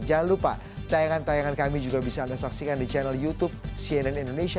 jangan lupa tayangan tayangan kami juga bisa anda saksikan di channel youtube cnn indonesia